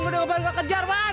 gue udah gak kejar pan